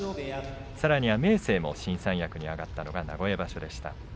さらには明生が新三役に上がったのが名古屋場所でした。